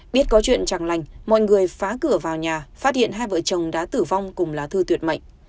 biết có chuyện chẳng lành mọi người phá cửa vào nhà phát hiện hai vợ chồng đã tử vong cùng lá thư tuyệt mệnh